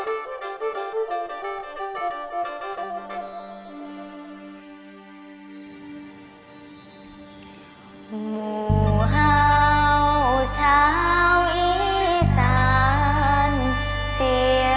สิ่งให้เดาแรงตัวจะเป็นความการงบมาก